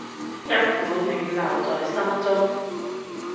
一股暖流在心中